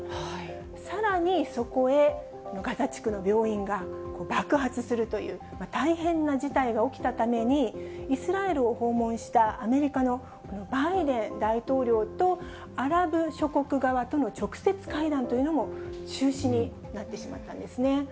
さらに、そこへガザ地区の病院が爆発するという大変な事態が起きたために、イスラエルを訪問したアメリカのバイデン大統領とアラブ諸国側との直接会談というのも中止になってしまったんですね。